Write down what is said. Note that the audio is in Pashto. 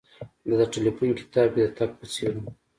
دا د ټیلیفون کتاب کې د تګ په څیر و